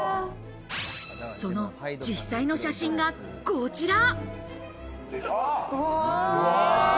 その実際の写真がこちら。